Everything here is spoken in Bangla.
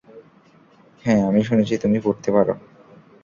হ্যাঁ, আমি শুনেছি তুমি পড়তে পারো।